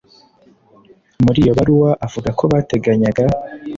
Muri iyo baruwa avuga ko bateganyaga